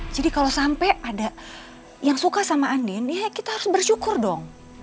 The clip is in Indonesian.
jadi kalau sampai ada yang suka sama andin ya kita harus bersyukur dong